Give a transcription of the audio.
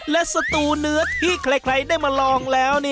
และสตูเนื้อที่ใครได้มาลองแล้ว